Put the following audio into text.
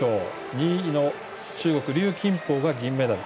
２位の中国、龍金宝が銀メダル。